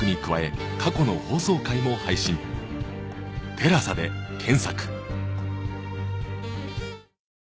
ＴＥＬＡＳＡ で検索